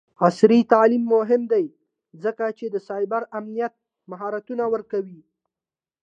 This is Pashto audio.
عصري تعلیم مهم دی ځکه چې د سایبر امنیت مهارتونه ورکوي.